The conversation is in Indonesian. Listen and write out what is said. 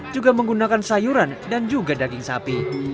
juga menggunakan sayuran dan juga daging sapi